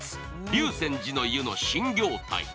竜泉寺の湯の新業態。